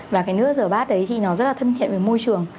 và cái nước rửa bát đấy thì nó rất là thân thiện với môi trường